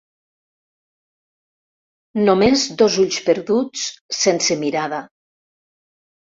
Només dos ulls perduts, sense mirada.